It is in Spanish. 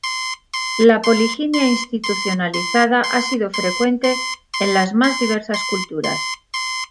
La poliginia institucionalizada ha sido frecuente en las más diversas culturas.